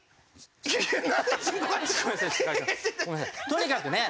とにかくね。